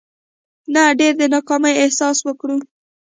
نه ډېر د ناکامي احساس وکړو.